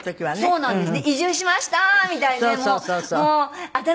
そうなんです。